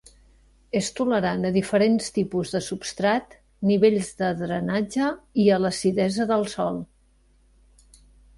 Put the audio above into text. És tolerant a diferents tipus de substrat, nivells de drenatge i a l'acidesa del sòl.